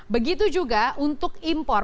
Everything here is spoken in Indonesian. begitu juga untuk impor